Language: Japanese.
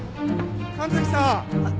神崎さん！